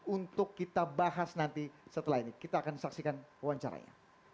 untuk kita bahas nanti setelah ini kita akan saksikan wawancaranya